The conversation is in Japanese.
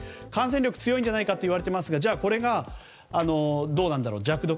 感染力が強いんじゃないかといわれているんですがじゃあ、これがどうなんだろう